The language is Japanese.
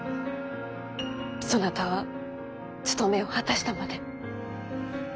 そなたは務めを果たしたまで。